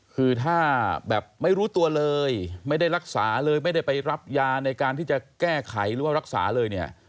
คือถ้าแบบไม่รู้ตัวเลยไม่ได้รักษาเลยไม่ได้ไปรับยาในการที่จะแก้ไขหรือว่ารักษาเลยเนี่ย